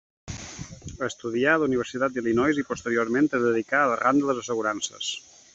Estudià a la Universitat d'Illinois i posteriorment es dedicà al ram de les assegurances.